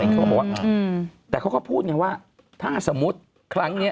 เขาบอกว่าแต่เขาก็พูดเนี่ยว่าถ้าสมมติครั้งเนี่ย